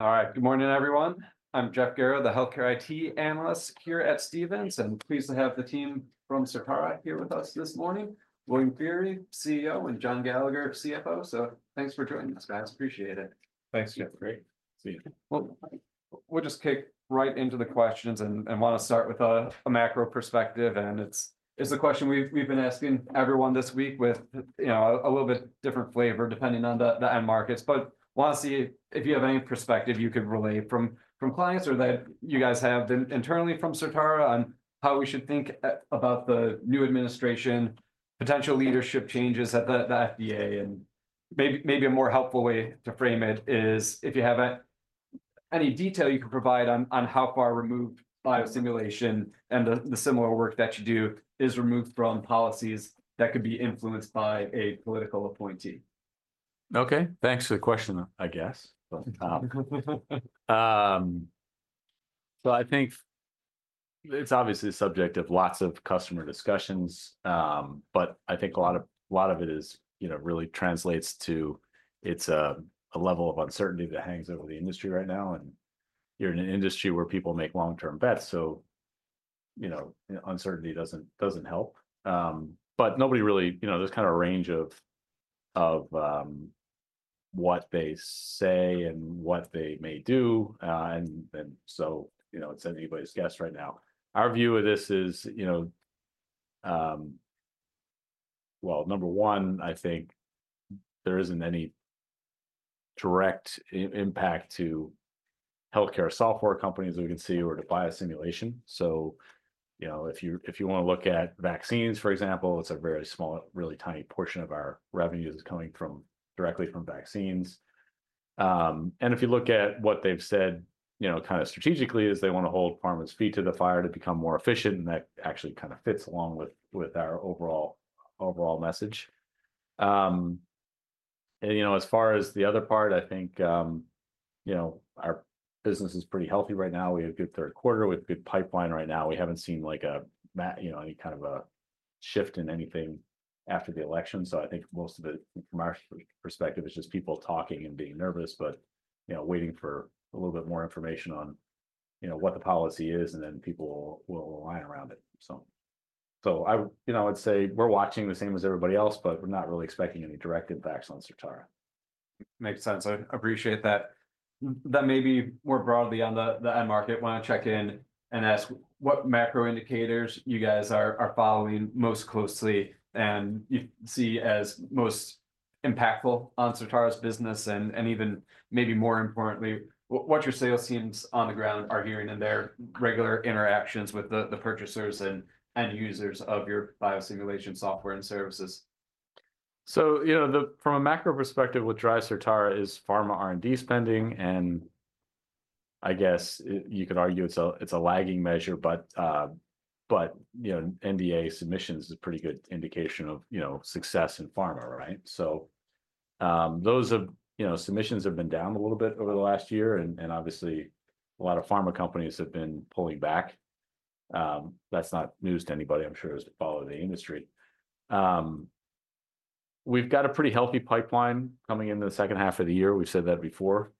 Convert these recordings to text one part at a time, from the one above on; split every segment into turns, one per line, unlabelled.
All right. Good morning, everyone. I'm Jeff Garro, the Healthcare IT Analyst here at Stephens, and pleased to have the team from Certara here with us this morning: William Feehery, CEO, and John Gallagher, CFO. So thanks for joining us, guys. Appreciate it.
Thanks, Jeff. Great. See you.
We'll just kick right into the questions and want to start with a macro perspective. It's a question we've been asking everyone this week with a little bit different flavor depending on the end markets. Want to see if you have any perspective you could relay from clients or that you guys have internally from Certara on how we should think about the new administration, potential leadership changes at the FDA. Maybe a more helpful way to frame it is, if you have any detail you can provide on how far removed biosimulation and the similar work that you do is removed from policies that could be influenced by a political appointee.
Okay. Thanks for the question, I guess. So I think it's obviously the subject of lots of customer discussions, but I think a lot of it really translates to it's a level of uncertainty that hangs over the industry right now. You're in an industry where people make long-term bets, so uncertainty doesn't help. But nobody really. There's kind of a range of what they say and what they may do, so it's anybody's guess right now. Our view of this is, well, number one, I think there isn't any direct impact to healthcare software companies that we can see or to biosimulation. So if you want to look at vaccines, for example, it's a very small, really tiny portion of our revenues coming directly from vaccines. If you look at what they've said kind of strategically is they want to hold pharma's feet to the fire to become more efficient, and that actually kind of fits along with our overall message. As far as the other part, I think our business is pretty healthy right now. We have a good third quarter. We have a good pipeline right now. We haven't seen any kind of a shift in anything after the election. I think most of it, from our perspective, is just people talking and being nervous, but waiting for a little bit more information on what the policy is, and then people will align around it. I would say we're watching the same as everybody else, but we're not really expecting any direct impacts on Certara.
Makes sense. I appreciate that. Then maybe more broadly on the end market, want to check in and ask what macro indicators you guys are following most closely and see as most impactful on Certara's business. And even maybe more importantly, what your sales teams on the ground are hearing in their regular interactions with the purchasers and end users of your biosimulation software and services.
So from a macro perspective, what drives Certara is pharma R&D spending. And I guess you could argue it's a lagging measure, but NDA submissions is a pretty good indication of success in pharma, right? So those submissions have been down a little bit over the last year. And obviously, a lot of pharma companies have been pulling back. That's not news to anybody, I'm sure, who's followed the industry. We've got a pretty healthy pipeline coming into the second half of the year. We've said that before.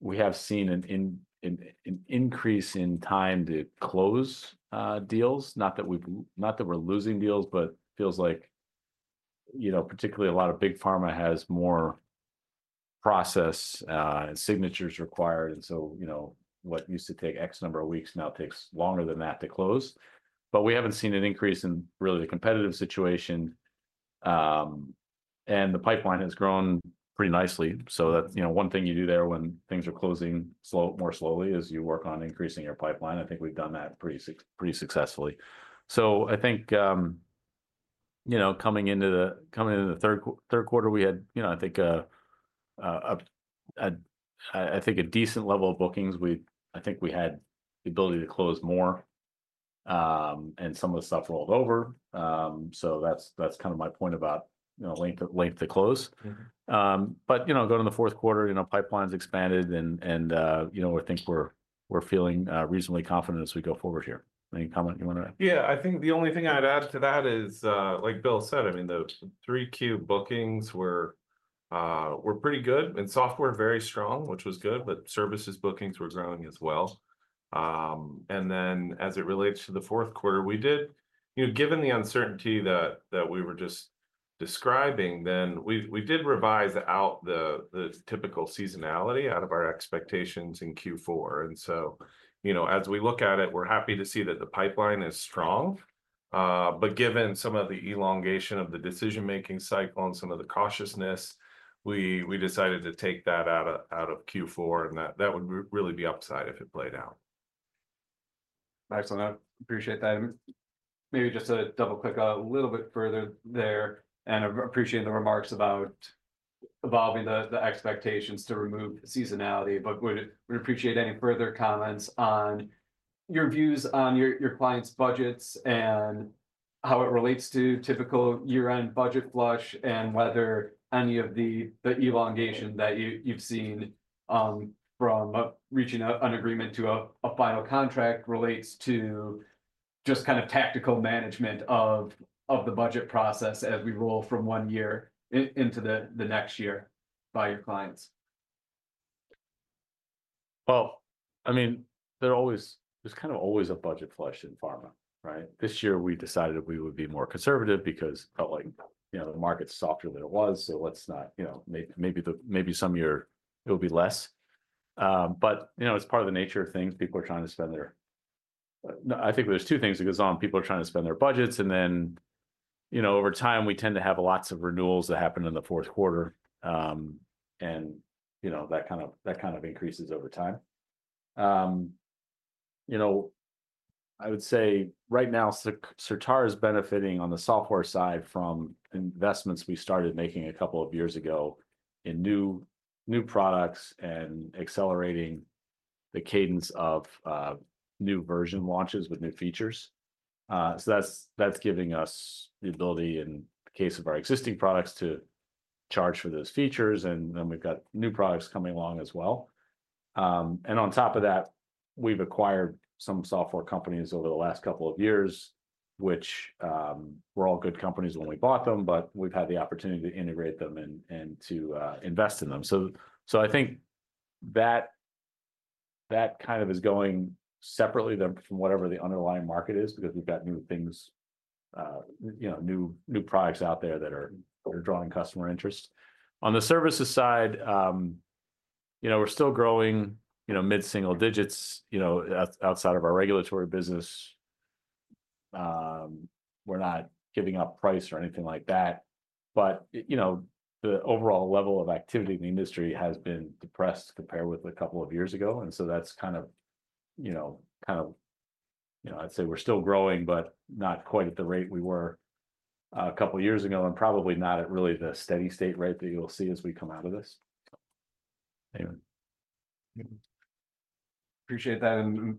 We have seen an increase in time to close deals. Not that we're losing deals, but it feels like particularly a lot of big pharma has more process and signatures required. And so what used to take X number of weeks now takes longer than that to close. But we haven't seen an increase in really the competitive situation. And the pipeline has grown pretty nicely. So one thing you do there when things are closing more slowly is you work on increasing your pipeline. I think we've done that pretty successfully. So I think coming into the third quarter, we had, I think, a decent level of bookings. I think we had the ability to close more, and some of the stuff rolled over. So that's kind of my point about length to close. But going to the fourth quarter, pipeline's expanded, and I think we're feeling reasonably confident as we go forward here. Any comment you want to add?
Yeah. I think the only thing I'd add to that is, like Bill said, I mean, the Q3 bookings were pretty good and software very strong, which was good, but services bookings were growing as well. And then as it relates to the fourth quarter, we did, given the uncertainty that we were just describing, then we did revise out the typical seasonality out of our expectations in Q4. And so as we look at it, we're happy to see that the pipeline is strong. But given some of the elongation of the decision-making cycle and some of the cautiousness, we decided to take that out of Q4, and that would really be upside if it played out.
Excellent. I appreciate that. Maybe just to double-click a little bit further there and appreciate the remarks about evolving the expectations to remove seasonality, but would appreciate any further comments on your views on your clients' budgets and how it relates to typical year-end budget flush and whether any of the elongation that you've seen from reaching an agreement to a final contract relates to just kind of tactical management of the budget process as we roll from one year into the next year by your clients?
Well, I mean, there's kind of always a budget flush in pharma, right? This year, we decided we would be more conservative because it felt like the market's softer than it was. So let's not. Maybe some year, it'll be less. But it's part of the nature of things. I think there's two things that goes on. People are trying to spend their budgets. And then over time, we tend to have lots of renewals that happen in the fourth quarter. And that kind of increases over time. I would say right now, Certara is benefiting on the software side from investments we started making a couple of years ago in new products and accelerating the cadence of new version launches with new features. So that's giving us the ability, in the case of our existing products, to charge for those features. And then we've got new products coming along as well. And on top of that, we've acquired some software companies over the last couple of years, which were all good companies when we bought them, but we've had the opportunity to integrate them and to invest in them. So I think that kind of is going separately from whatever the underlying market is because we've got new things, new products out there that are drawing customer interest. On the services side, we're still growing mid-single digits outside of our regulatory business. We're not giving up price or anything like that. But the overall level of activity in the industry has been depressed compared with a couple of years ago. That's kind of, I'd say we're still growing, but not quite at the rate we were a couple of years ago and probably not at really the steady-state rate that you'll see as we come out of this.
Appreciate that. And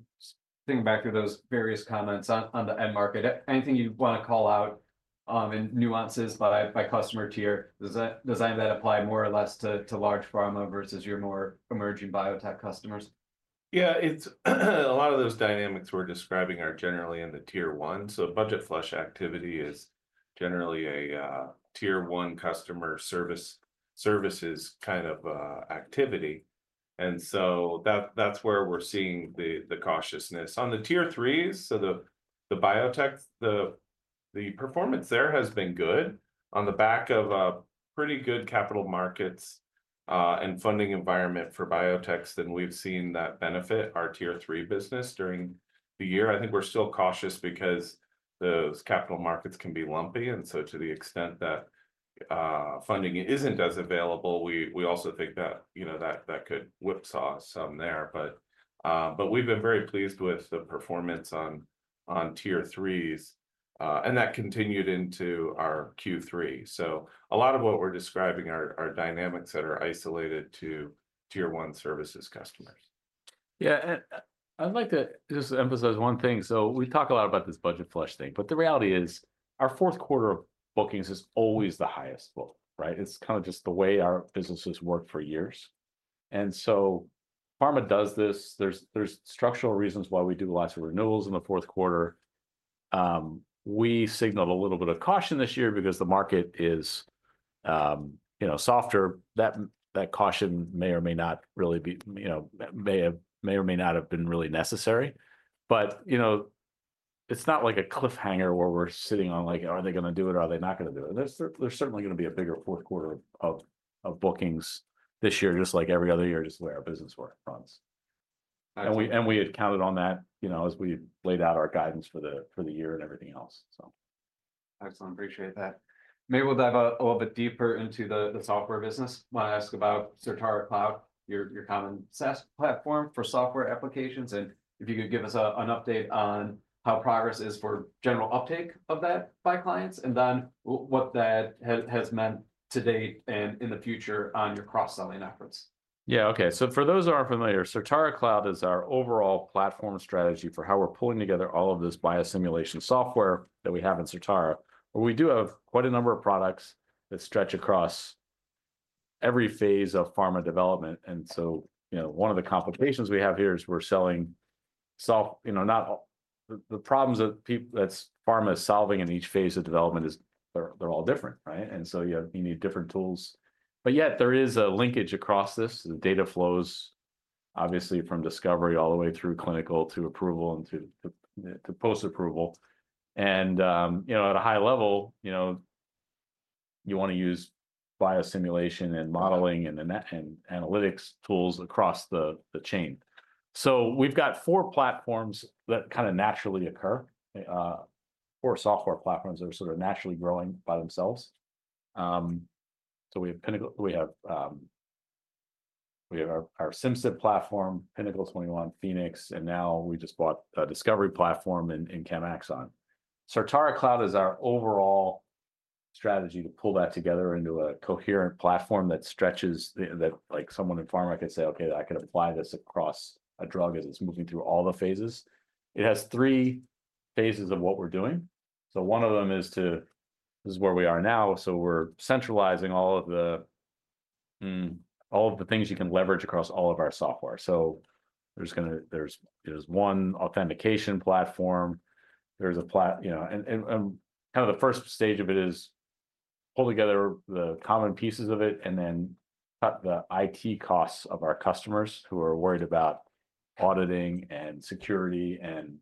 thinking back to those various comments on the end market, anything you'd want to call out in nuances by customer tier, does any of that apply more or less to large pharma versus your more emerging biotech customers?
Yeah. A lot of those dynamics we're describing are generally in the Tier 1, so budget flush activity is generally a Tier 1 customer services kind of activity, and so that's where we're seeing the cautiousness. On the Tier 3s, so the biotech, the performance there has been good. On the back of pretty good capital markets and funding environment for biotechs, then we've seen that benefit our Tier 3 business during the year. I think we're still cautious because those capital markets can be lumpy, and so to the extent that funding isn't as available, we also think that that could whipsaw some there, but we've been very pleased with the performance on Tier 3s, and that continued into our Q3, so a lot of what we're describing are dynamics that are isolated to Tier 1 services customers.
Yeah. And I'd like to just emphasize one thing. So we talk a lot about this budget flush thing. But the reality is our fourth quarter bookings is always the highest book, right? It's kind of just the way our business has worked for years. And so pharma does this. There's structural reasons why we do lots of renewals in the fourth quarter. We signaled a little bit of caution this year because the market is softer. That caution may or may not really have been necessary. But it's not like a cliffhanger where we're sitting on like, "Are they going to do it or are they not going to do it?" There's certainly going to be a bigger fourth quarter of bookings this year, just like every other year, just where our business runs.
We had counted on that as we laid out our guidance for the year and everything else, so.
Excellent. Appreciate that. Maybe we'll dive a little bit deeper into the software business. Want to ask about Certara Cloud, your common SaaS platform for software applications. And if you could give us an update on how progress is for general uptake of that by clients and then what that has meant to date and in the future on your cross-selling efforts.
Yeah. Okay. So for those who are familiar, Certara Cloud is our overall platform strategy for how we're pulling together all of this biosimulation software that we have in Certara. We do have quite a number of products that stretch across every phase of pharma development. And so one of the complications we have here is we're selling not the problems that pharma is solving in each phase of development, they're all different, right? And so you need different tools. But yet, there is a linkage across this. The data flows, obviously, from discovery all the way through clinical to approval and to post-approval. And at a high level, you want to use biosimulation and modeling and analytics tools across the chain. So we've got four platforms that kind of naturally occur, four software platforms that are sort of naturally growing by themselves. We have our Simcyp platform, Pinnacle 21, Phoenix, and now we just bought a discovery platform in Chemaxon. Certara Cloud is our overall strategy to pull that together into a coherent platform that stretches that someone in pharma can say, "Okay, I can apply this across a drug as it's moving through all the phases." It has three phases of what we're doing. One of them is to—this is where we are now. We're centralizing all of the things you can leverage across all of our software. There's one authentication platform. There's a—and kind of the first stage of it is pull together the common pieces of it and then cut the IT costs of our customers who are worried about auditing and security and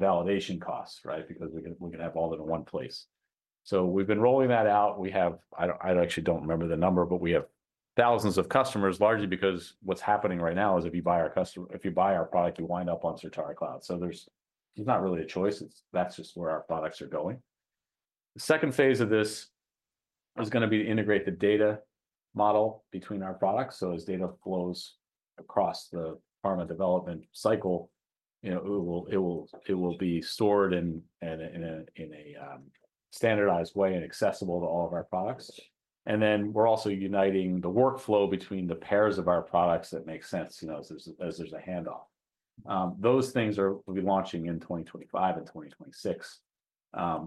validation costs, right, because we can have all that in one place. We've been rolling that out. I actually don't remember the number, but we have thousands of customers, largely because what's happening right now is if you buy our product, you wind up on Certara Cloud. So there's not really a choice. That's just where our products are going. The second phase of this is going to be to integrate the data model between our products. So as data flows across the pharma development cycle, it will be stored in a standardized way and accessible to all of our products. And then we're also uniting the workflow between the pairs of our products that make sense as there's a handoff. Those things will be launching in 2025 and 2026,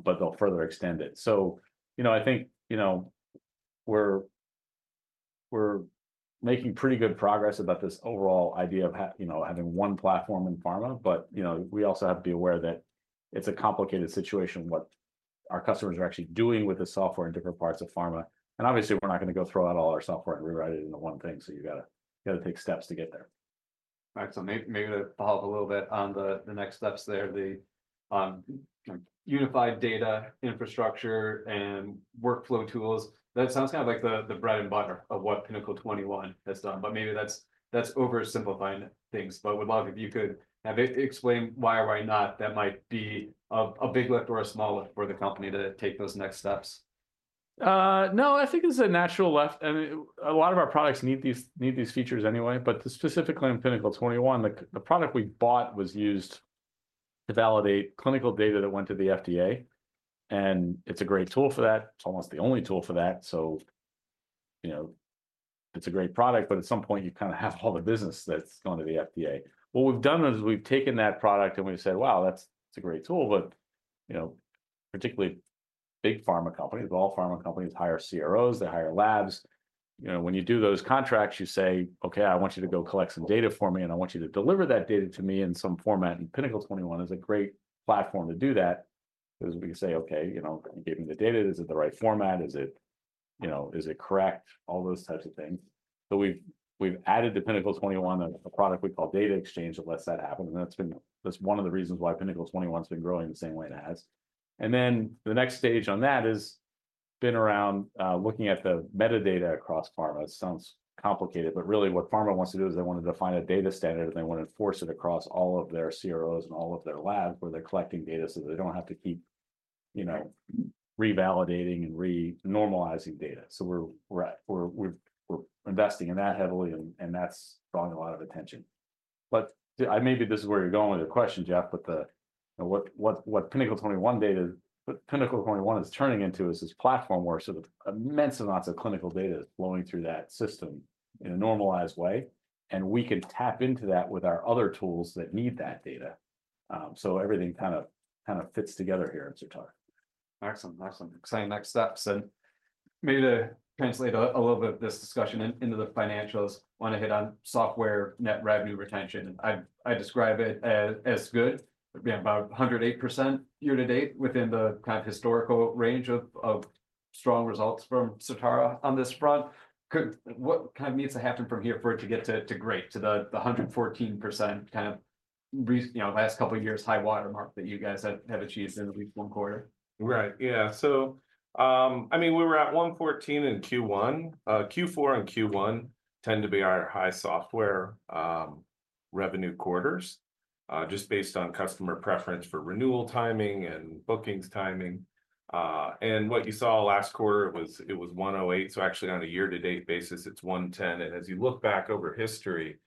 but they'll further extend it. So I think we're making pretty good progress about this overall idea of having one platform in pharma, but we also have to be aware that it's a complicated situation what our customers are actually doing with the software in different parts of pharma. And obviously, we're not going to go throw out all our software and rewrite it into one thing. So you got to take steps to get there.
Excellent. Maybe to follow up a little bit on the next steps there, the unified data infrastructure and workflow tools. That sounds kind of like the bread and butter of what Pinnacle 21 has done. But maybe that's oversimplifying things. But would love if you could explain why or why not that might be a big lift or a small lift for the company to take those next steps.
No, I think it's a natural fit. I mean, a lot of our products need these features anyway. But specifically in Pinnacle 21, the product we bought was used to validate clinical data that went to the FDA. And it's a great tool for that. It's almost the only tool for that. So it's a great product, but at some point, you kind of have all the business that's going to the FDA. What we've done is we've taken that product and we've said, "Wow, that's a great tool." But particularly big pharma companies, all pharma companies hire CROs. They hire labs. When you do those contracts, you say, "Okay, I want you to go collect some data for me, and I want you to deliver that data to me in some format." And Pinnacle 21 is a great platform to do that because we can say, "Okay, you gave me the data. Is it the right format? Is it correct?" All those types of things. So we've added to Pinnacle 21 a product we call Data Exchange that lets that happen. And that's been one of the reasons why Pinnacle 21 has been growing the same way it has. And then the next stage on that has been around looking at the metadata across pharma. It sounds complicated, but really what pharma wants to do is they want to define a data standard, and they want to enforce it across all of their CROs and all of their labs where they're collecting data so they don't have to keep revalidating and renormalizing data. So we're investing in that heavily, and that's drawing a lot of attention. But maybe this is where you're going with the question, Jeff, but what Pinnacle 21 is turning into is this platform where sort of immense amounts of clinical data is flowing through that system in a normalized way, and we can tap into that with our other tools that need that data. So everything kind of fits together here in Certara.
Excellent. Excellent. Exciting next steps. Maybe to translate a little bit of this discussion into the financials, I want to hit on software net revenue retention. I describe it as good, about 108% year to date within the kind of historical range of strong results from Certara on this front. What kind of needs to happen from here for it to get to great, to the 114% kind of last couple of years high watermark that you guys have achieved in at least one quarter?
Right. Yeah. So I mean, we were at 114% in Q1. Q4 and Q1 tend to be our high software revenue quarters just based on customer preference for renewal timing and bookings timing. And what you saw last quarter, it was 108%. So actually, on a year-to-date basis, it's 110%. And as you look back over history,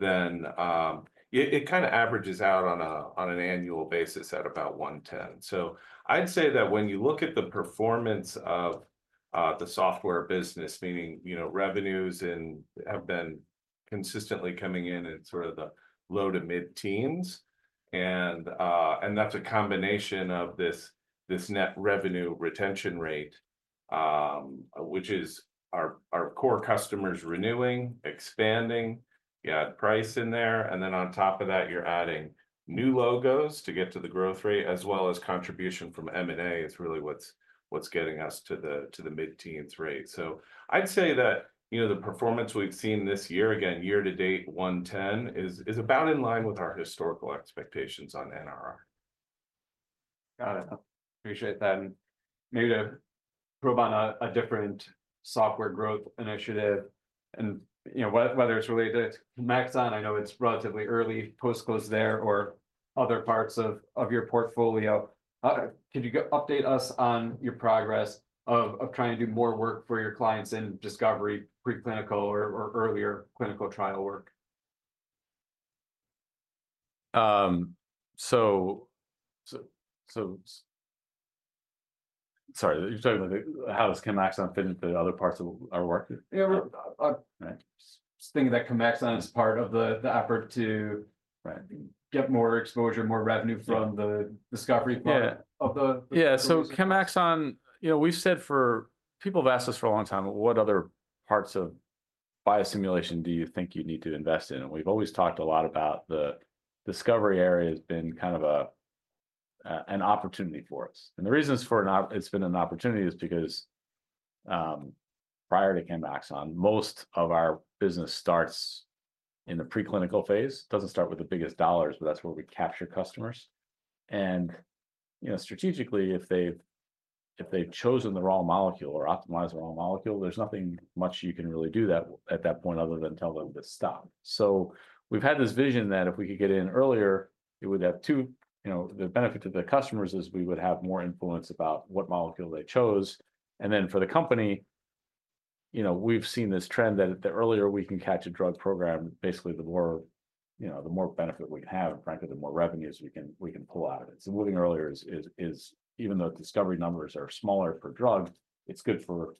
then it kind of averages out on an annual basis at about 110%. So I'd say that when you look at the performance of the software business, meaning revenues have been consistently coming in in sort of the low to mid-teens. And that's a combination of this net revenue retention rate, which is our core customers renewing, expanding. You add price in there. And then on top of that, you're adding new logos to get to the growth rate, as well as contribution from M&A is really what's getting us to the mid-teens rate. So I'd say that the performance we've seen this year, again, year to date, 110% is about in line with our historical expectations on NRR.
Got it. Appreciate that. And maybe to probe on a different software growth initiative, and whether it's related to Chemaxon, I know it's relatively early post-close there or other parts of your portfolio. Could you update us on your progress of trying to do more work for your clients in discovery, preclinical, or earlier clinical trial work?
So sorry, you're talking about how does Chemaxon fit into other parts of our work?
Yeah. Just thinking that Chemaxon is part of the effort to get more exposure, more revenue from the discovery part of the.
Yeah. So, Chemaxon, we've said for people have asked us for a long time, "What other parts of biosimulation do you think you need to invest in?" We've always talked a lot about the discovery area has been kind of an opportunity for us. The reasons it's been an opportunity is because prior to Chemaxon, most of our business starts in the preclinical phase. It doesn't start with the biggest dollars, but that's where we capture customers. Strategically, if they've chosen the wrong molecule or optimized the wrong molecule, there's nothing much you can really do at that point other than tell them to stop. We've had this vision that if we could get in earlier, it would have two. The benefit to the customers is we would have more influence about what molecule they chose. And then for the company, we've seen this trend that the earlier we can catch a drug program, basically the more benefit we can have, and frankly, the more revenues we can pull out of it. So moving earlier is, even though discovery numbers are smaller for drugs, it's good for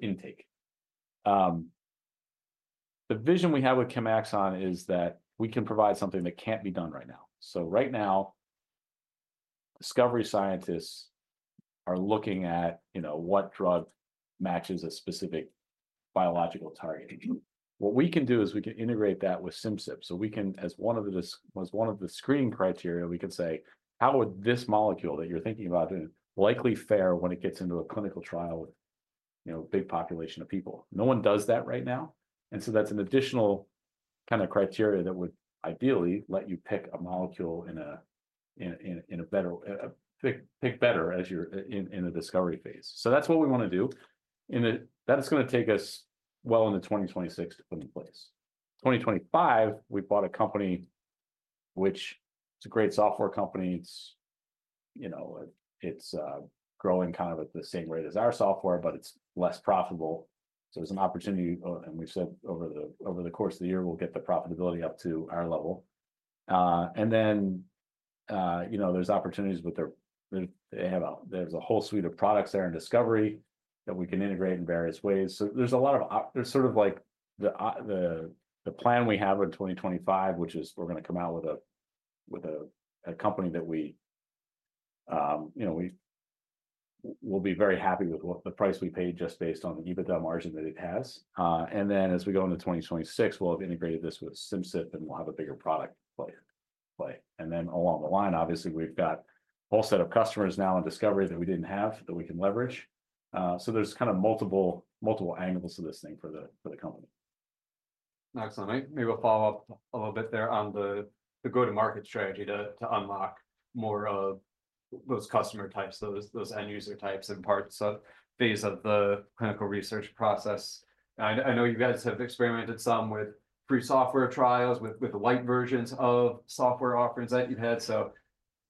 intake. The vision we have with Chemaxon is that we can provide something that can't be done right now. So right now, discovery scientists are looking at what drug matches a specific biological target. What we can do is we can integrate that with Simcyp. So as one of the screening criteria, we can say, "How would this molecule that you're thinking about likely fare when it gets into a clinical trial with a big population of people?" No one does that right now. And so that's an additional kind of criterion that would ideally let you pick a molecule, a better pick as you're in the discovery phase. So that's what we want to do. That's going to take us well into 2026 to put in place. 2025, we bought a company, which is a great software company. It's growing kind of at the same rate as our software, but it's less profitable. So it's an opportunity, and we've said over the course of the year, we'll get the profitability up to our level. And then there's opportunities, but there's a whole suite of products there in discovery that we can integrate in various ways. So there's a lot of sort of like the plan we have in 2025, which is we're going to come out with a company that we will be very happy with the price we paid just based on the EBITDA margin that it has. And then as we go into 2026, we'll have integrated this with Simcyp, and we'll have a bigger product play. And then along the line, obviously, we've got a whole set of customers now in discovery that we didn't have that we can leverage. So there's kind of multiple angles to this thing for the company.
Excellent. Maybe we'll follow up a little bit there on the go-to-market strategy to unlock more of those customer types, those end-user types and parts of phase of the clinical research process. I know you guys have experimented some with free software trials with the light versions of software offerings that you've had. So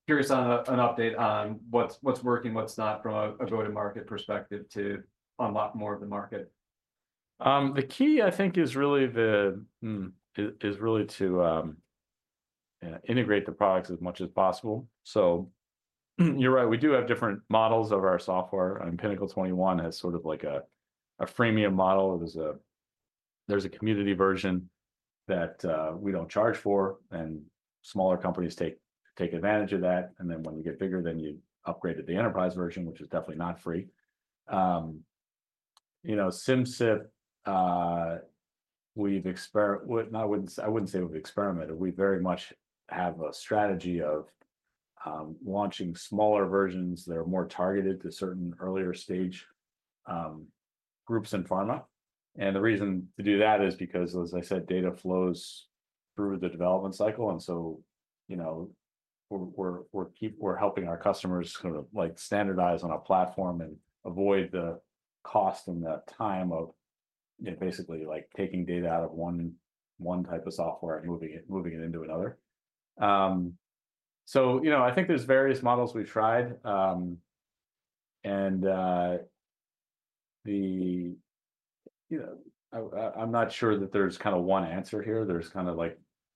curious on an update on what's working, what's not from a go-to-market perspective to unlock more of the market?
The key, I think, is really to integrate the products as much as possible. So you're right. We do have different models of our software. And Pinnacle 21 has sort of like a freemium model. There's a community version that we don't charge for, and smaller companies take advantage of that. And then when you get bigger, then you upgrade to the enterprise version, which is definitely not free. Simcyp, I wouldn't say we've experimented. We very much have a strategy of launching smaller versions that are more targeted to certain earlier stage groups in pharma. And the reason to do that is because, as I said, data flows through the development cycle. And so we're helping our customers sort of standardize on a platform and avoid the cost and the time of basically taking data out of one type of software and moving it into another. So I think there's various models we've tried. And I'm not sure that there's kind of one answer here. There's kind of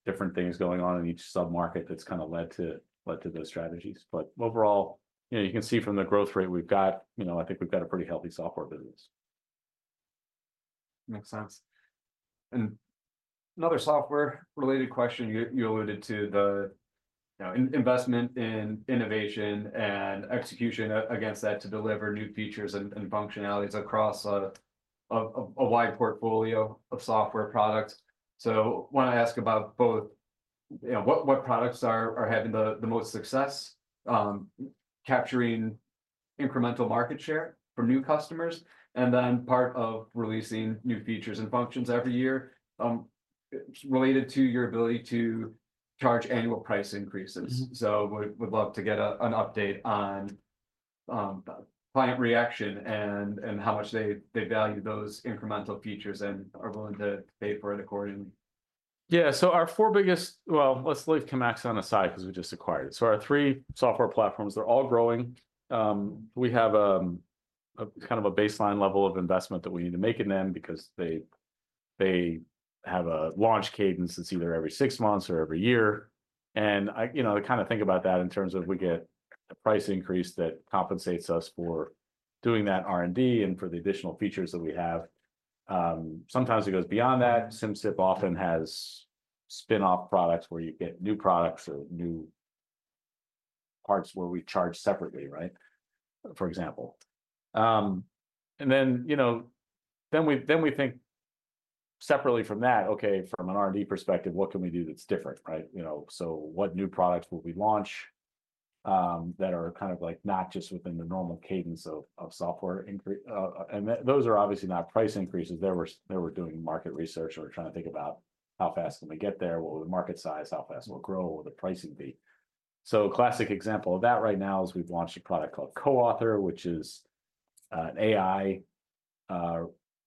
different things going on in each sub-market that's kind of led to those strategies. But overall, you can see from the growth rate we've got. I think we've got a pretty healthy software business.
Makes sense. And another software-related question. You alluded to the investment in innovation and execution against that to deliver new features and functionalities across a wide portfolio of software products. So I want to ask about both what products are having the most success capturing incremental market share from new customers, and then part of releasing new features and functions every year related to your ability to charge annual price increases. So we'd love to get an update on client reaction and how much they value those incremental features and are willing to pay for it accordingly.
Yeah. So our four biggest, well, let's leave Chemaxon on the side because we just acquired it. So our three software platforms, they're all growing. We have kind of a baseline level of investment that we need to make in them because they have a launch cadence. It's either every six months or every year. And I kind of think about that in terms of we get a price increase that compensates us for doing that R&D and for the additional features that we have. Sometimes it goes beyond that. Simcyp often has spinoff products where you get new products or new parts where we charge separately, right, for example. And then we think separately from that, "Okay, from an R&D perspective, what can we do that's different?" Right? So what new products will we launch that are kind of not just within the normal cadence of software? Those are obviously not price increases. They were doing market research. We were trying to think about how fast can we get there, what will the market size, how fast will it grow, what will the pricing be? A classic example of that right now is we've launched a product called CoAuthor, which is an AI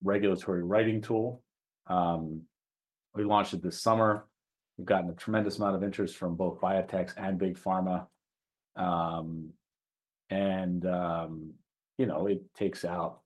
regulatory writing tool. We launched it this summer. We've gotten a tremendous amount of interest from both biotechs and big pharma. It takes out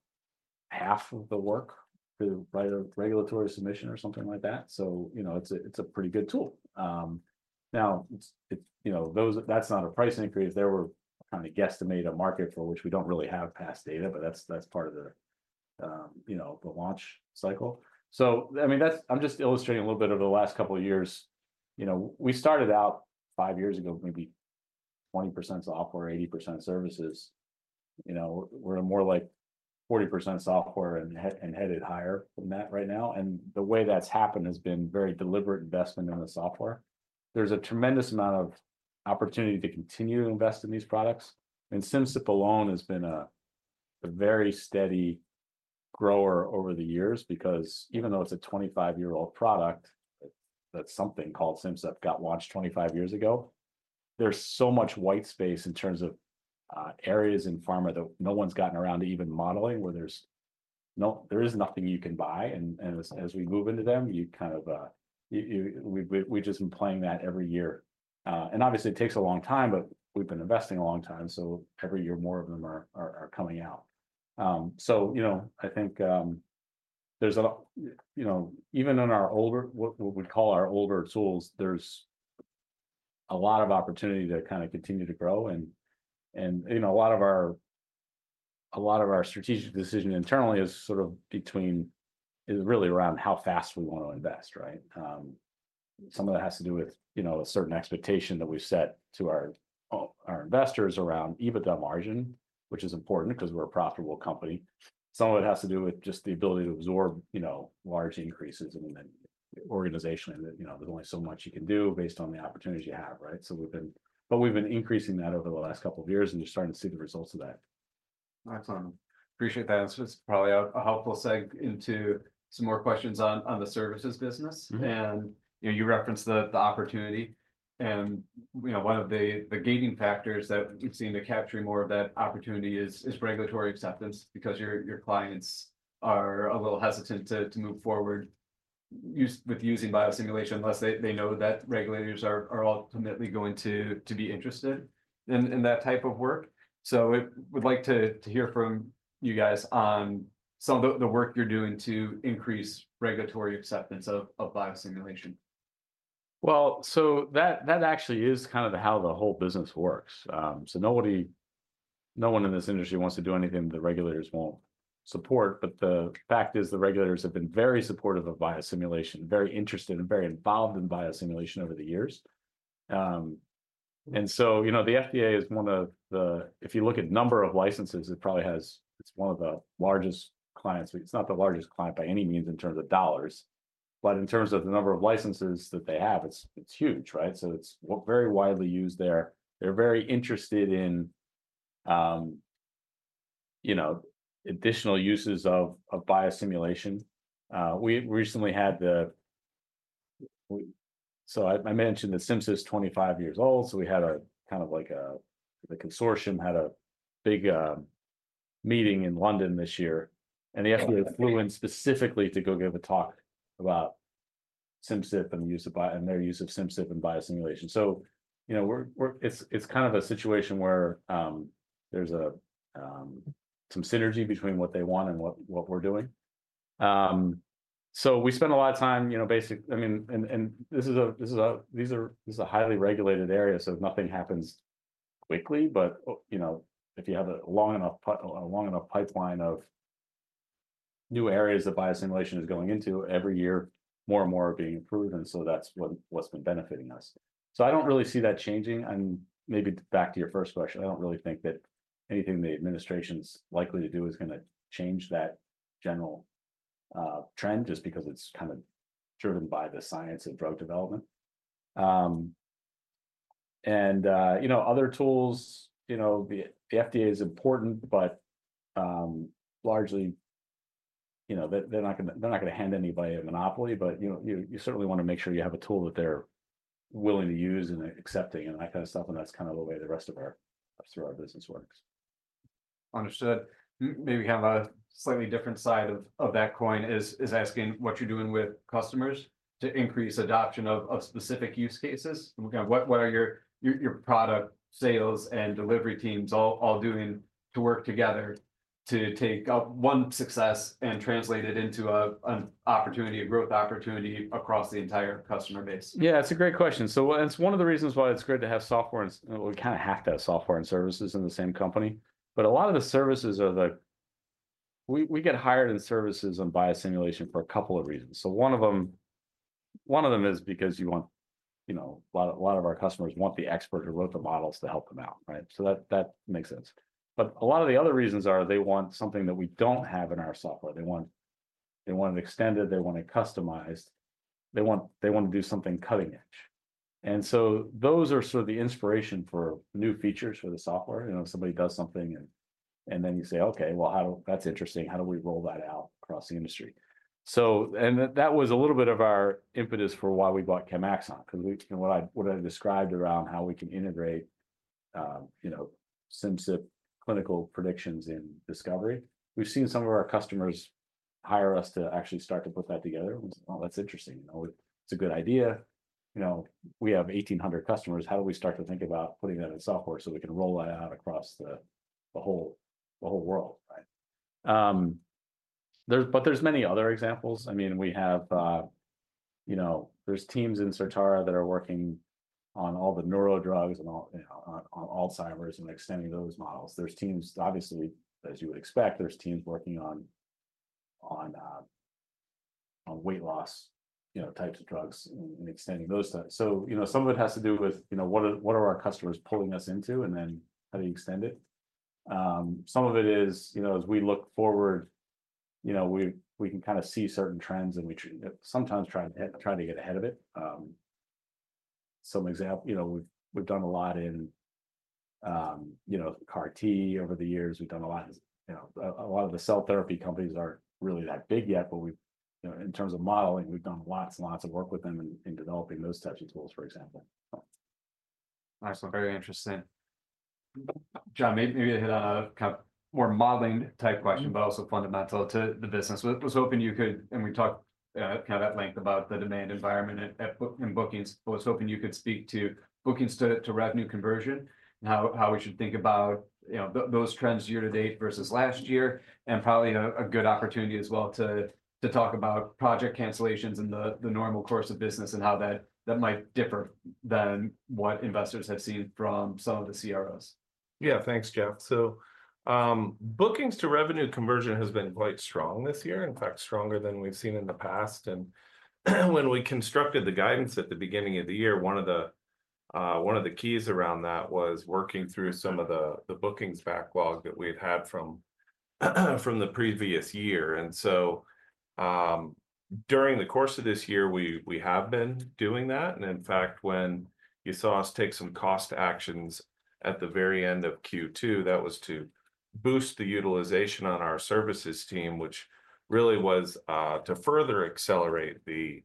half of the work to write a regulatory submission or something like that. It's a pretty good tool. Now, that's not a price increase. They were kind of guesstimating a market for which we don't really have past data, but that's part of the launch cycle. I mean, I'm just illustrating a little bit of the last couple of years. We started out five years ago, maybe 20% software or 80% services. We're more like 40% software and headed higher than that right now, and the way that's happened has been very deliberate investment in the software. There's a tremendous amount of opportunity to continue to invest in these products, and Simcyp alone has been a very steady grower over the years because even though it's a 25-year-old product that something called Simcyp got launched 25 years ago, there's so much white space in terms of areas in pharma that no one's gotten around to even modeling where there is nothing you can buy, and as we move into them, we've just been playing that every year, and obviously, it takes a long time, but we've been investing a long time, so every year, more of them are coming out. I think there's even in our older what we call our older tools, there's a lot of opportunity to kind of continue to grow. A lot of our strategic decision internally is sort of really around how fast we want to invest, right? Some of that has to do with a certain expectation that we've set to our investors around EBITDA margin, which is important because we're a profitable company. Some of it has to do with just the ability to absorb large increases and then organizationally, there's only so much you can do based on the opportunities you have, right? We've been increasing that over the last couple of years and just starting to see the results of that.
Excellent. Appreciate that. It's probably a helpful segue into some more questions on the services business. And you referenced the opportunity. And one of the gating factors that we've seen to capture more of that opportunity is regulatory acceptance because your clients are a little hesitant to move forward with using biosimulation unless they know that regulators are ultimately going to be interested in that type of work. So we'd like to hear from you guys on some of the work you're doing to increase regulatory acceptance of biosimulation.
Well, so that actually is kind of how the whole business works. So no one in this industry wants to do anything the regulators won't support. But the fact is the regulators have been very supportive of biosimulation, very interested and very involved in biosimulation over the years. And so the FDA is one of the, if you look at number of licenses, it probably has. It's one of the largest clients. It's not the largest client by any means in terms of dollars, but in terms of the number of licenses that they have, it's huge, right? So it's very widely used there. They're very interested in additional uses of biosimulation. We recently had the, so I mentioned that Simcyp is 25 years old. So we had a kind of like the consortium had a big meeting in London this year. And the FDA flew in specifically to go give a talk about Simcyp and their use of Simcyp and biosimulation. So it's kind of a situation where there's some synergy between what they want and what we're doing. So we spend a lot of time basically I mean, and this is a highly regulated area, so nothing happens quickly. But if you have a long enough pipeline of new areas that biosimulation is going into, every year, more and more are being approved. And so that's what's been benefiting us. So I don't really see that changing. And maybe back to your first question, I don't really think that anything the administration's likely to do is going to change that general trend just because it's kind of driven by the science of drug development. And other tools, the FDA is important, but largely, they're not going to hand anybody a monopoly, but you certainly want to make sure you have a tool that they're willing to use and accepting and that kind of stuff. And that's kind of the way the rest of our business works.
Understood. Maybe we have a slightly different side of that coin is asking what you're doing with customers to increase adoption of specific use cases. What are your product sales and delivery teams all doing to work together to take one success and translate it into an opportunity, a growth opportunity across the entire customer base?
Yeah, it's a great question. So it's one of the reasons why it's great to have software and we kind of have to have software and services in the same company. But a lot of the services are we get hired in services and biosimulation for a couple of reasons. So one of them is because a lot of our customers want the expert who wrote the models to help them out, right? So that makes sense. But a lot of the other reasons are they want something that we don't have in our software. They want it extended. They want it customized. They want to do something cutting edge. And so those are sort of the inspiration for new features for the software. Somebody does something, and then you say, "Okay, well, that's interesting. “How do we roll that out across the industry?” And that was a little bit of our impetus for why we bought Chemaxon. Because what I described around how we can integrate Simcyp clinical predictions in discovery, we've seen some of our customers hire us to actually start to put that together. “Well, that's interesting. It's a good idea. We have 1,800 customers. How do we start to think about putting that in software so we can roll that out across the whole world?” But there's many other examples. I mean, there's teams in Certara that are working on all the neurodrugs and Alzheimer's and extending those models. There's teams, obviously, as you would expect, there's teams working on weight loss types of drugs and extending those stuff. Some of it has to do with what are our customers pulling us into and then how do you extend it? Some of it is, as we look forward, we can kind of see certain trends and we sometimes try to get ahead of it. For example, we've done a lot in CAR-T over the years. We've done a lot. A lot of the cell therapy companies aren't really that big yet, but in terms of modeling, we've done lots and lots of work with them in developing those types of tools, for example.
Excellent. Very interesting. John, maybe a kind of more modeling type question, but also fundamental to the business. I was hoping you could, and we talked kind of at length about the demand environment in bookings, but I was hoping you could speak to bookings to revenue conversion and how we should think about those trends year to date versus last year, and probably a good opportunity as well to talk about project cancellations and the normal course of business and how that might differ than what investors have seen from some of the CROs.
Yeah, thanks, Jeff. So bookings to revenue conversion has been quite strong this year, in fact, stronger than we've seen in the past. And when we constructed the guidance at the beginning of the year, one of the keys around that was working through some of the bookings backlog that we'd had from the previous year. And so during the course of this year, we have been doing that. And in fact, when you saw us take some cost actions at the very end of Q2, that was to boost the utilization on our services team, which really was to further accelerate the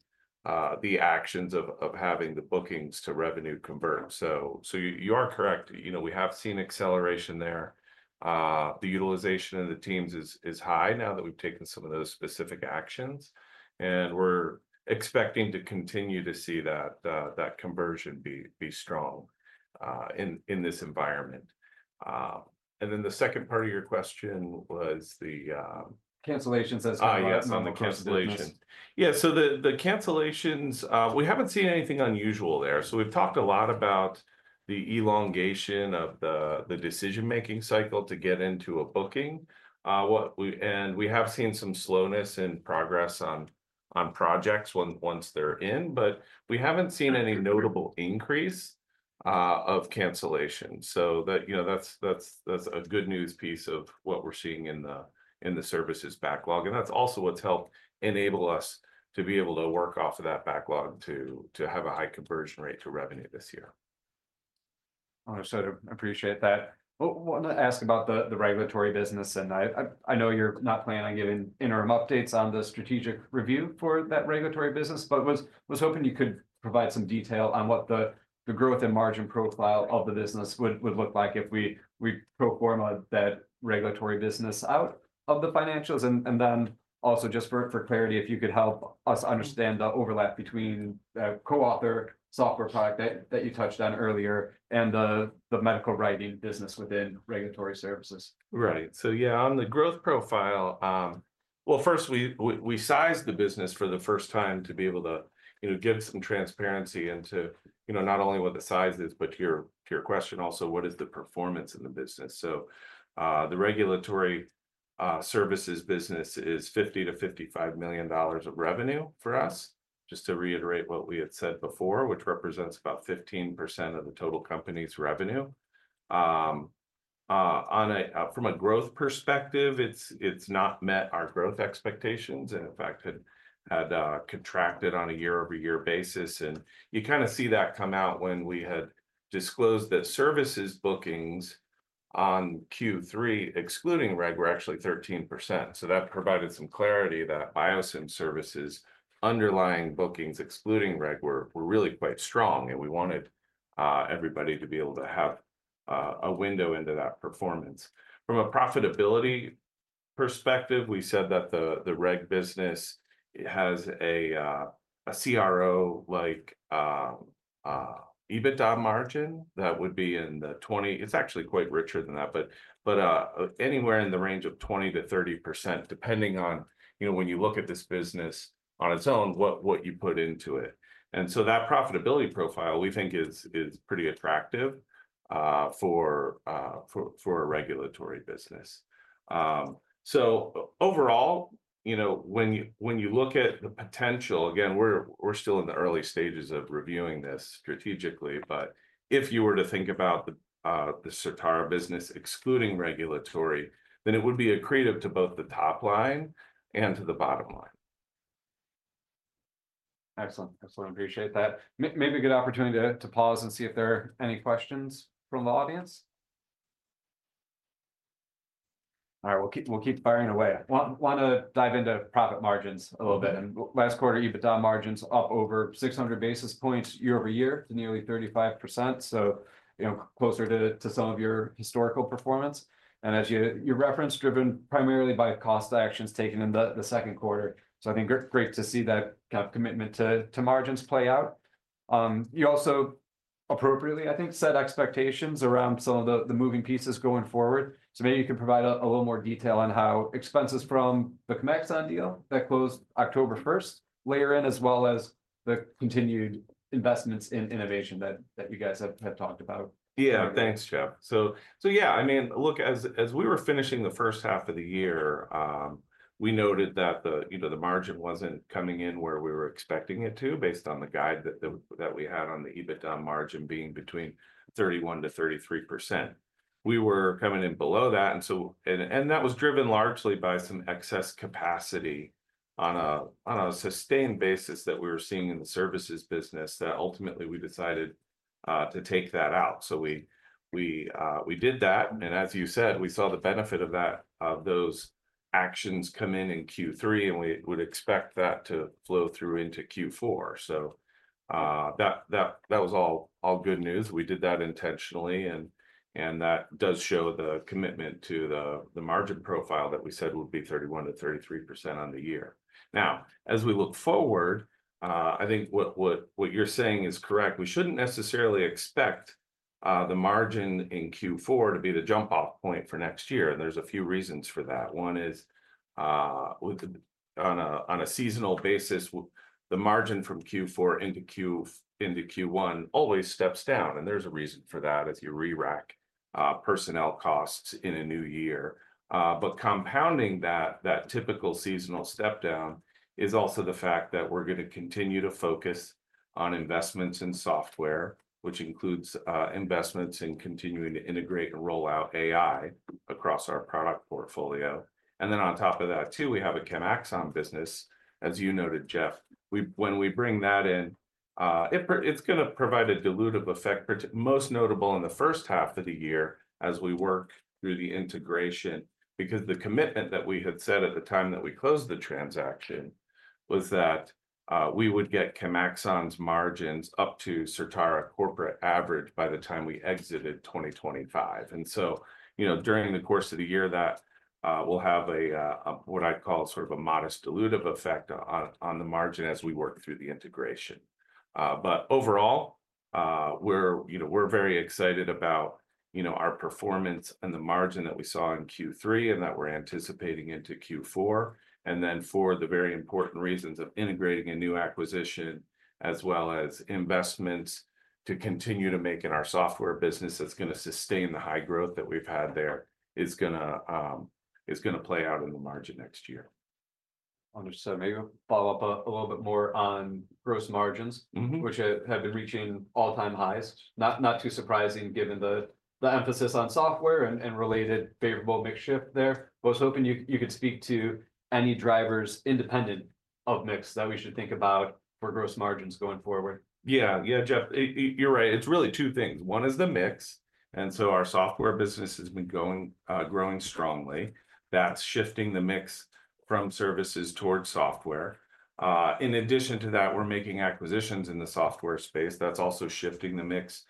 actions of having the bookings to revenue convert. So you are correct. We have seen acceleration there. The utilization of the teams is high now that we've taken some of those specific actions. And we're expecting to continue to see that conversion be strong in this environment. And then the second part of your question was the.
Cancellations as well.
Oh, yes, on the cancellations. Yeah. So the cancellations, we haven't seen anything unusual there. So we've talked a lot about the elongation of the decision-making cycle to get into a booking. And we have seen some slowness in progress on projects once they're in, but we haven't seen any notable increase of cancellations. So that's a good news piece of what we're seeing in the services backlog. And that's also what's helped enable us to be able to work off of that backlog to have a high conversion rate to revenue this year.
Understood. Appreciate that. I want to ask about the regulatory business. And I know you're not planning on giving interim updates on the strategic review for that regulatory business, but was hoping you could provide some detail on what the growth and margin profile of the business would look like if we pro-forma that regulatory business out of the financials. And then also just for clarity, if you could help us understand the overlap between CoAuthor software product that you touched on earlier and the medical writing business within regulatory services.
Right. So yeah, on the growth profile, well, first, we sized the business for the first time to be able to give some transparency into not only what the size is, but to your question also, what is the performance in the business, so the regulatory services business is $50 million-$55 million of revenue for us, just to reiterate what we had said before, which represents about 15% of the total company's revenue. From a growth perspective, it's not met our growth expectations, and in fact, had contracted on a year-over-year basis, and you kind of see that come out when we had disclosed that services bookings on Q3, excluding reg, were actually 13%, so that provided some clarity that biosim services, underlying bookings, excluding reg, were really quite strong, and we wanted everybody to be able to have a window into that performance. From a profitability perspective, we said that the reg business has a CRO-like EBITDA margin that would be in the 20s. It's actually quite richer than that, but anywhere in the range of 20%-30%, depending on when you look at this business on its own, what you put into it. And so that profitability profile, we think, is pretty attractive for a regulatory business. So overall, when you look at the potential, again, we're still in the early stages of reviewing this strategically. But if you were to think about the Certara business, excluding regulatory, then it would be accretive to both the top line and to the bottom line.
Excellent. Excellent. Appreciate that. Maybe a good opportunity to pause and see if there are any questions from the audience. All right. We'll keep firing away. I want to dive into profit margins a little bit. And last quarter, EBITDA margins up over 600 basis points year over year to nearly 35%, so closer to some of your historical performance. And as you referenced, driven primarily by cost actions taken in the second quarter. So I think great to see that kind of commitment to margins play out. You also appropriately, I think, set expectations around some of the moving pieces going forward. So maybe you can provide a little more detail on how expenses from the Chemaxon deal that closed October 1st layer in, as well as the continued investments in innovation that you guys have talked about.
Yeah, thanks, Jeff. So yeah, I mean, look, as we were finishing the first half of the year, we noted that the margin wasn't coming in where we were expecting it to, based on the guide that we had on the EBITDA margin being between 31%-33%. We were coming in below that. That was driven largely by some excess capacity on a sustained basis that we were seeing in the services business that ultimately we decided to take that out. So we did that. As you said, we saw the benefit of those actions come in in Q3, and we would expect that to flow through into Q4, so that was all good news. We did that intentionally. That does show the commitment to the margin profile that we said would be 31%-33% on the year. Now, as we look forward, I think what you're saying is correct. We shouldn't necessarily expect the margin in Q4 to be the jump-off point for next year. And there's a few reasons for that. One is, on a seasonal basis, the margin from Q4 into Q1 always steps down. And there's a reason for that as you re-rack personnel costs in a new year. But compounding that typical seasonal stepdown is also the fact that we're going to continue to focus on investments in software, which includes investments in continuing to integrate and roll out AI across our product portfolio. And then on top of that, too, we have a Chemaxon business. As you noted, Jeff, when we bring that in, it's going to provide a dilutive effect, most notable in the first half of the year as we work through the integration, because the commitment that we had said at the time that we closed the transaction was that we would get Chemaxon margins up to Certara corporate average by the time we exited 2025, and so during the course of the year, that will have what I call sort of a modest dilutive effect on the margin as we work through the integration, but overall, we're very excited about our performance and the margin that we saw in Q3 and that we're anticipating into Q4. Then, for the very important reasons of integrating a new acquisition as well as investments to continue to make in our software business that's going to sustain the high growth that we've had there, is going to play out in the margin next year.
Understood. Maybe follow up a little bit more on gross margins, which have been reaching all-time highs. Not too surprising given the emphasis on software and related favorable mix shift there. But I was hoping you could speak to any drivers independent of mix that we should think about for gross margins going forward.
Yeah. Yeah, Jeff, you're right. It's really two things. One is the mix. And so our software business has been growing strongly. That's shifting the mix from services towards software. In addition to that, we're making acquisitions in the software space. That's also shifting the mix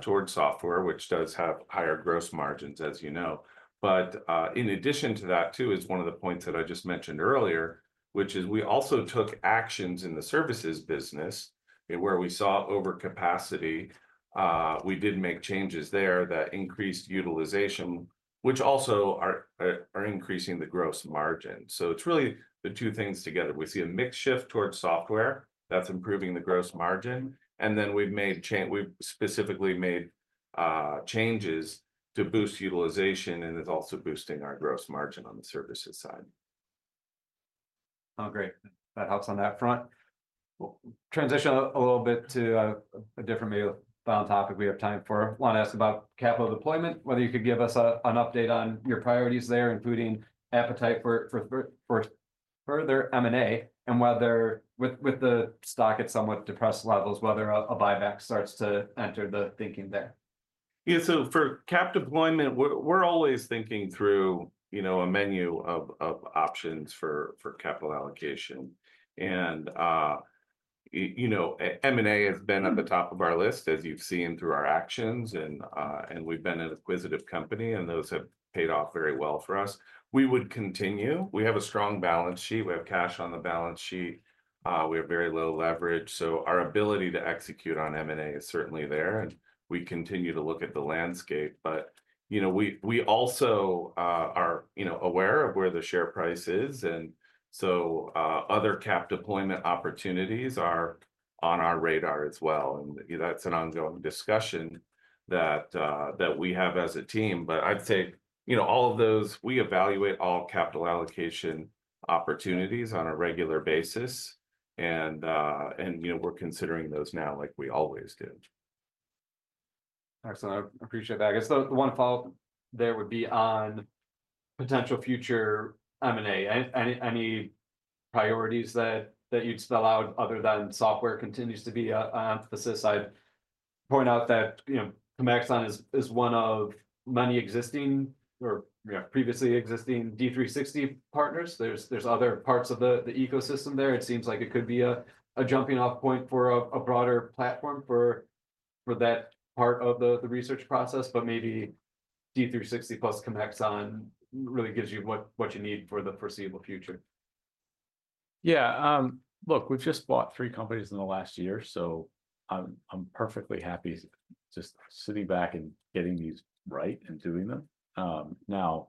towards software, which does have higher gross margins, as you know. But in addition to that, too, is one of the points that I just mentioned earlier, which is we also took actions in the services business where we saw overcapacity. We did make changes there that increased utilization, which also are increasing the gross margin. So it's really the two things together. We see a mix shift towards software that's improving the gross margin. And then we've specifically made changes to boost utilization, and it's also boosting our gross margin on the services side.
Oh, great. That helps on that front. We'll transition a little bit to a different main longstanding topic we have time for. I want to ask about capital deployment, whether you could give us an update on your priorities there, including appetite for further M&A and whether with the stock at somewhat depressed levels, whether a buyback starts to enter the thinking there?
Yeah. So for cap deployment, we're always thinking through a menu of options for capital allocation. And M&A has been at the top of our list, as you've seen through our actions. And we've been an acquisitive company, and those have paid off very well for us. We would continue. We have a strong balance sheet. We have cash on the balance sheet. We have very low leverage. So our ability to execute on M&A is certainly there. And we continue to look at the landscape. But we also are aware of where the share price is. And so other cap deployment opportunities are on our radar as well. And that's an ongoing discussion that we have as a team. But I'd say all of those, we evaluate all capital allocation opportunities on a regular basis. And we're considering those now like we always did.
Excellent. I appreciate that. I guess the one follow-up there would be on potential future M&A. Any priorities that you'd spell out other than software continues to be an emphasis? I'd point out that Chemaxon is one of many existing or previously existing D360 partners. There's other parts of the ecosystem there. It seems like it could be a jumping-off point for a broader platform for that part of the research process. But maybe D360 plus Chemaxon really gives you what you need for the foreseeable future.
Yeah. Look, we've just bought three companies in the last year. So I'm perfectly happy just sitting back and getting these right and doing them. Now,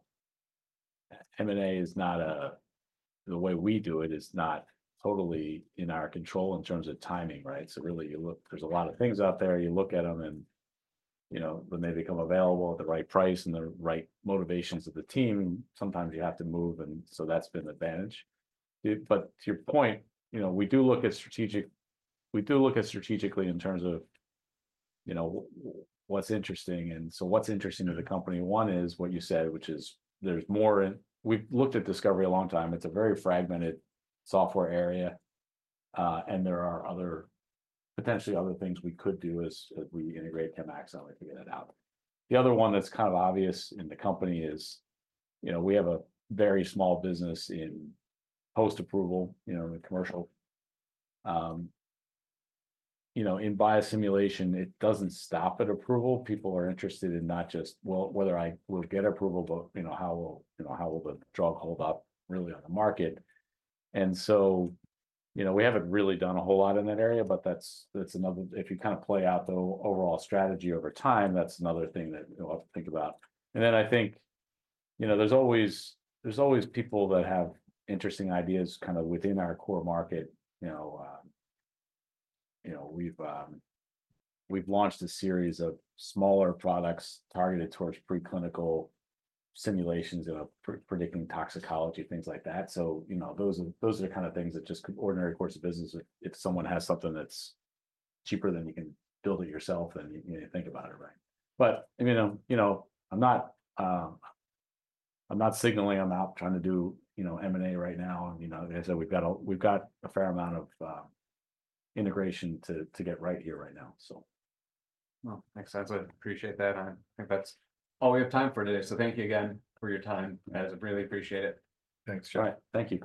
M&A is not, the way we do it is not totally in our control in terms of timing, right? So really, there's a lot of things out there. You look at them and when they become available at the right price and the right motivations of the team, sometimes you have to move. And so that's been the advantage. But to your point, we do look at strategically in terms of what's interesting. And so what's interesting to the company, one is what you said, which is there's more in it. We've looked at Discovery a long time. It's a very fragmented software area. And there are potentially other things we could do as we integrate Chemaxon to figure that out. The other one that's kind of obvious in the company is we have a very small business in post-approval, commercial. In biosimulation, it doesn't stop at approval. People are interested in not just whether I will get approval, but how will the drug hold up really on the market? And so we haven't really done a whole lot in that area, but that's another if you kind of play out the overall strategy over time, that's another thing that we'll have to think about. And then I think there's always people that have interesting ideas kind of within our core market. We've launched a series of smaller products targeted towards preclinical simulations of predicting toxicology, things like that. So those are the kind of things that just ordinary course of business. If someone has something that's cheaper, then you can build it yourself and think about it, right? but I mean, I'm not signaling I'm not trying to do M&A right now, and like I said, we've got a fair amount of integration to get right here right now, so.
Thanks, guys. I appreciate that. I think that's all we have time for today. Thank you again for your time, guys. I really appreciate it.
Thanks, Jeff.
All right. Thank you.